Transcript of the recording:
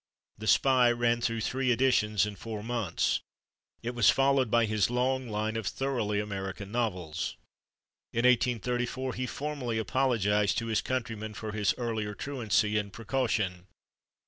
"The Spy" ran through three editions in four months; it was followed by his long line of thoroughly American novels; in 1834 he formally apologized to his countrymen for his early truancy in "Precaution."